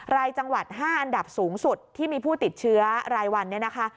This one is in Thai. รายจังหวัด๕อันดับสูงสุดที่มีผู้ติดเชื้อรายวันเนี่ยนะคะ